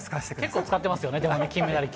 結構使ってますよね、でもね、金メダル級。